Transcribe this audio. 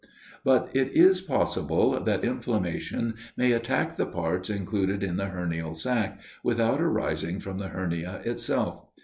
But it is possible that inflammation may attack the parts included in the hernial sac, without arising from the hernia itself.